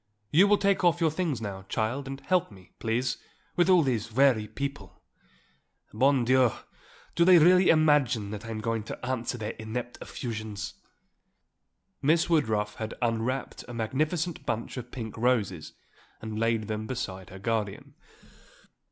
You will take off your things now, child, and help me, please, with all these weary people. Bon Dieu! do they really imagine that I am going to answer their inept effusions?" Miss Woodruff had unwrapped a magnificent bunch of pink roses and laid them beside her guardian.